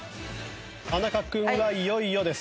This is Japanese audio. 田仲君がいよいよです。